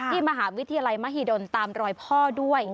ที่มหาวิทยาลัยมหิดลตามรอยพ่อด้วย